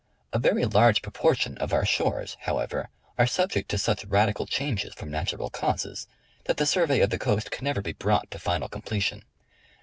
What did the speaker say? A very large proportion of our shores, however, are subject to such radical changes from natural causes, that the survey of the coast can never be brought to final completion.